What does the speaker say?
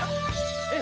えっ？